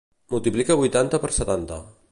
Multiplica vuitanta per setanta.